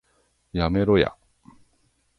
やめろや